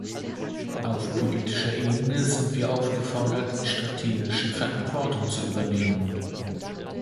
Auf politischer Ebene sind wir aufgefordert, strategische Verantwortung zu übernehmen.